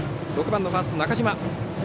６番ファースト、中島。